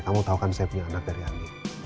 kamu tau kan saya punya anak dari ambil